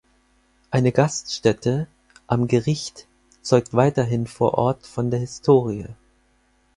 Eine Gaststätte „Am Gericht“ zeugt weiterhin vor Ort von der Historie.